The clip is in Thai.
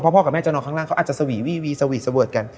เพราะพ่อกับแม่จะนอนข้างล่างเขาอาจจะสวีสวีสเวิร์ดกัน